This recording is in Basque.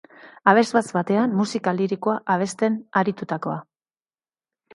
Abesbatz batean musika lirikoa abesten aritutakoa.